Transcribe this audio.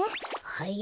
はい？